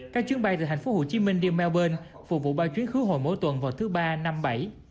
các chuyến bay từ thành phố hồ chí minh đi melbourne phục vụ bao chuyến khứa hồi mỗi tuần vào thứ ba năm bảy